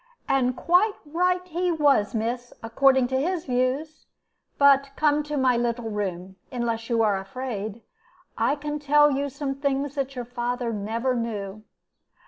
"And quite right he was, miss, according to his views. But come to my little room, unless you are afraid. I can tell you some things that your father never knew."